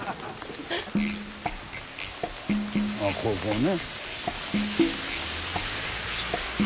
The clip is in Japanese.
あここね。